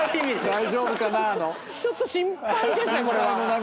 ちょっと心配ですねこれは。